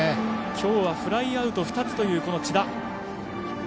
きょうはフライアウト２つという千田。